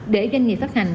để doanh nghiệp phát hành